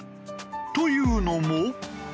というのも。